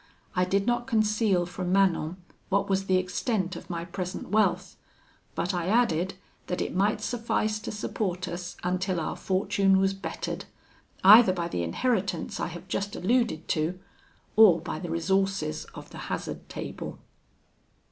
I did not conceal from Manon what was the extent of my present wealth; but I added, that it might suffice to support us until our fortune was bettered, either by the inheritance I have just alluded to, or by the resources of the hazard table."